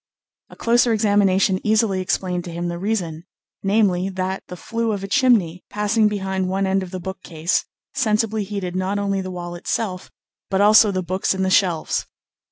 A closer examination easily explained to him the reason namely, that the flue of a chimney, passing behind one end of the bookcase, sensibly heated not only the wall itself, but also the books in the shelves.